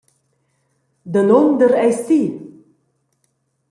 Danunder eis ti?